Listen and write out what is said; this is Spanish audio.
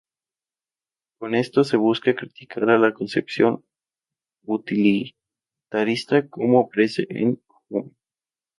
Con esto se busca criticar a la concepción utilitarista, como aparece en Hume.